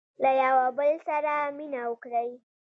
• له یوه بل سره مینه وکړئ.